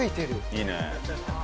いいね。